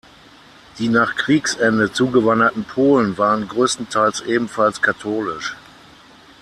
Die nach Kriegsende zugewanderten Polen waren größtenteils ebenfalls katholisch.